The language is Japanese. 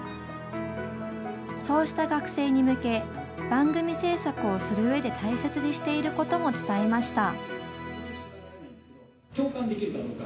そうした学生に向け番組制作をするうえで大切にしていることも伝えました。